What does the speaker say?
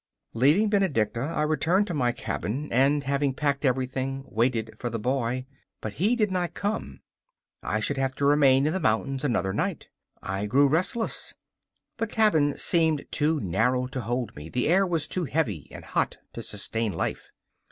Leaving Benedicta, I returned to my cabin, and, having packed everything, waited for the boy. But he did not come: I should have to remain in the mountains another night. I grew restless. The cabin seemed too narrow to hold me; the air was too heavy and hot to sustain life.